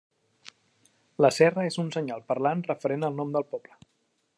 La serra és un senyal parlant referent al nom del poble.